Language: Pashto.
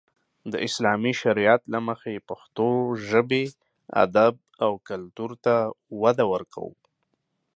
د اسلامي شريعت له مخې پښتو ژبې، ادب او کلتور ته وده ورکو.